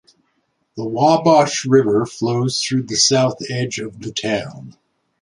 The Wabash River flows through the south edge of the town.